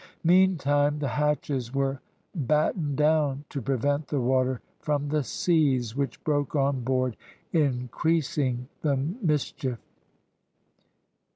Meantime the hatches were battened down to prevent the water from the seas, which broke on board, increasing the mischief.